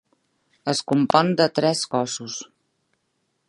Es compon de tres cossos.